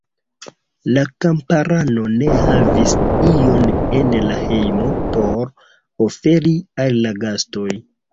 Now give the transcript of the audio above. La kamparano ne havis ion en la hejmo por oferi al la gastoj.